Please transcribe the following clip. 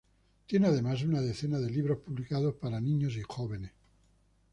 Tiene además, una decena de libros publicados para niños y jóvenes.